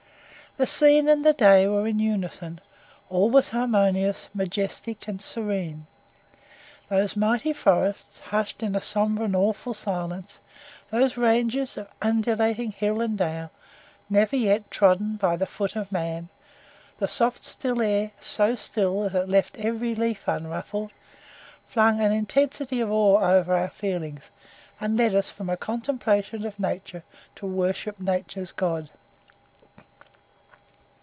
The scene and the day were in unison; all was harmonious, majestic, and serene. Those mighty forests, hushed in a sombre and awful silence; those ranges of undulating hill and dale never yet trodden by the foot of man; the soft still air, so still that it left every leaf unruffled, flung an intensity of awe over our feelings, and led us from the contemplation of nature to worship nature's God.